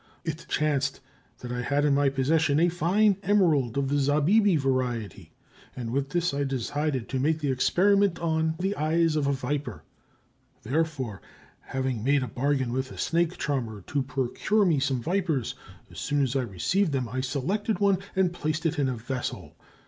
It chanced that I had in my possession a fine emerald of the zabâbi variety, and with this I decided to make the experiment on the eyes of a viper. Therefore, having made a bargain with a snake charmer to procure me some vipers, as soon as I received them I selected one and placed it in a vessel.